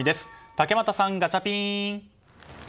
竹俣さん、ガチャピン！